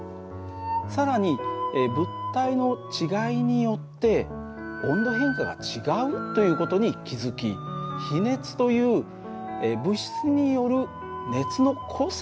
更に物体の違いによって温度変化が違うという事に気付き比熱という物質による熱の個性に気が付いたんですね。